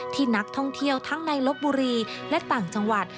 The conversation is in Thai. ที่นักท่องเที่ยวทั้งในลบบุรีและต่างจังหวัด